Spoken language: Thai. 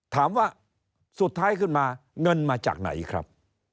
ถามว่าสุดท้ายขึ้นมาเงินมาจากไหนครับ